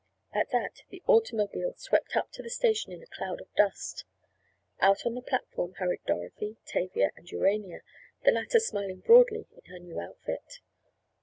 At that the automobile swept up to the station in a cloud of dust. Out on the platform hurried Dorothy, Tavia and Urania, the latter smiling broadly in her new outfit.